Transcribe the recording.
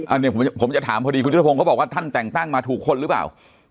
อันนี้ผมจะถามพอดีคุณยุทธพงศ์เขาบอกว่าท่านแต่งตั้งมาถูกคนหรือเปล่า